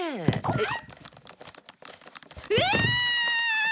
えっ！？